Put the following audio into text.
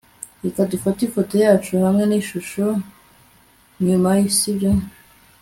reka dufate ifoto yacu hamwe nigishusho inyuma, sibyo